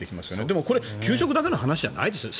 でも、これは給食だけの話じゃないですよね。